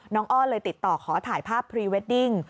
อ้อนเลยติดต่อขอถ่ายภาพพรีเวดดิ้ง